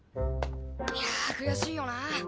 やぁ悔しいよな。